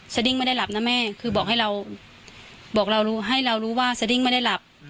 สดิ้งไม่ได้หลับนะแม่คือบอกให้เราบอกเราให้เรารู้ว่าสดิ้งไม่ได้หลับ